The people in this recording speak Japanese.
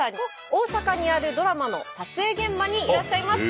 大阪にあるドラマの撮影現場にいらっしゃいます。